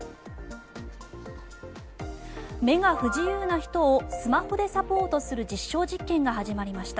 目が不自由な人をスマホでサポートする実証実験が始まりました。